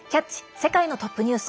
世界のトップニュース」。